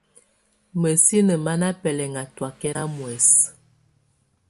Mǝ́sini má ná bɛlɛŋá tɔákɛna muɛsɛ.